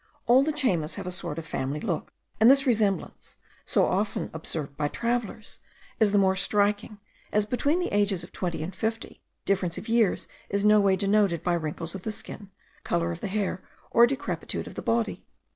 All the Chaymas have a sort of family look; and this resemblance, so often observed by travellers, is the more striking, as between the ages of twenty and fifty, difference of years is no way denoted by wrinkles of the skin, colour of the hair, or decrepitude of the body.